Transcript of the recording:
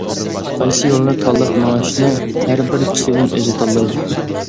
قايسى يولنى تاللاپ مېڭىشنى ھەر بىر چىۋىن ئۆزى تاللايدۇ.